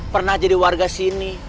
pernah jadi warga sini